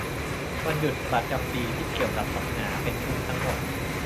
- วันหยุดประจำปี ที่เกี่ยวกับศาสนา เป็นพุทธทั้งหมด